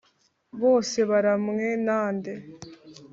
bose baremwe na nde?